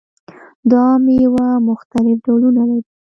دا میوه مختلف ډولونه لري.